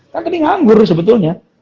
kan tadi nganggur sebetulnya